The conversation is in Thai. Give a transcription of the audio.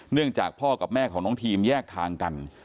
จากพ่อกับแม่ของน้องทีมแยกทางกัน